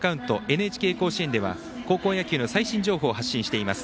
「＃ＮＨＫ甲子園」では高校野球の最新情報をお伝えしてまいります。